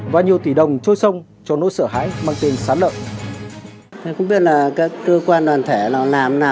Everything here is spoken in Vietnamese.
và nhiều tỷ đồng trôi xong cho nỗi sợ hãi mang tên sán lợn